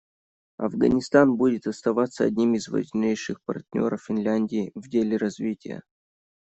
Афганистан будет оставаться одним из важнейших партнеров Финляндии в деле развития.